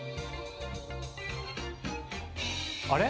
あれ？